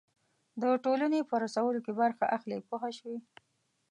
د ټولنې په رسولو کې برخه اخلي پوه شوې!.